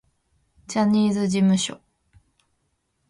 ジャニーズ事務所